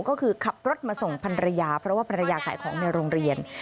ก็คือขับรถมาส่งพันรยาเพราะว่าภรรยาขายของในโรงเรียน